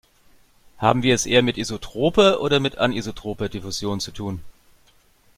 Haben wir es eher mit isotroper oder mit anisotroper Diffusion zu tun?